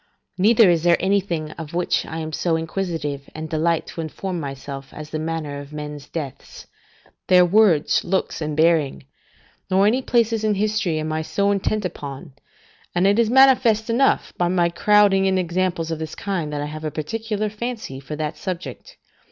Neither is there anything of which I am so inquisitive, and delight to inform myself, as the manner of men's deaths, their words, looks, and bearing; nor any places in history I am so intent upon; and it is manifest enough, by my crowding in examples of this kind, that I have a particular fancy for that subject.